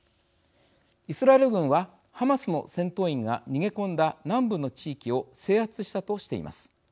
イスラエル軍はハマスの戦闘員が逃げ込んだ南部の地域を制圧したとしています。